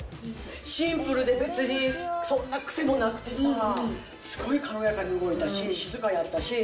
シンプルで別に、そんな癖もなくてさ、すごい軽やかに動いたし、静かやったし。